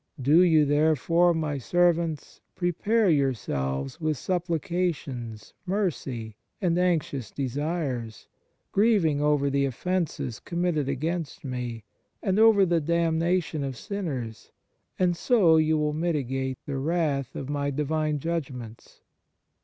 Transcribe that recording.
Do you therefore, my servants, prepare yourselves with suppli cations, mercy, and anxious desires, grieving over the offences committed against Me, and over the damnation of sinners, and so you will mitigate the wrath of My Divine judgments."